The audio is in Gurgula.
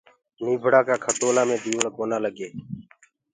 نيٚڀڙآ ڪآ کٽولآ مي ديوݪ ڪونآ لگي